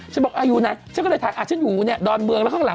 บอกอยู่ไหนฉันก็เลยถามฉันอยู่เนี่ยดอนเมืองแล้วข้างหลัง